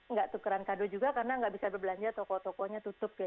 nggak tukeran kado juga karena nggak bisa berbelanja toko tokonya tutup ya